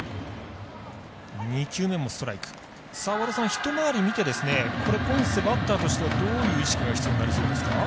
ひと回り見てポンセ、バッターとしてはどういう意識が必要になりそうですか？